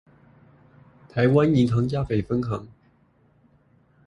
臺灣銀行嘉北分行